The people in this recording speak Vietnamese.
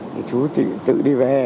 thì chú tự đi về